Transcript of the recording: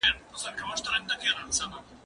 هغه څوک چي کښېناستل کوي پوهه زياتوي؟